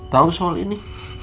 tahu soal ini